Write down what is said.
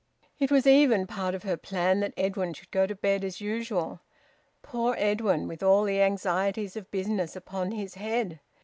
It was even part of her plan that Edwin should go to bed as usual poor Edwin, with all the anxieties of business upon his head!